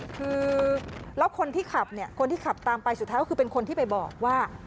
คือแล้วคนที่ขับเนี่ยคนที่ขับตามไปสุดท้ายก็คือเป็นคนที่ไปบอกว่า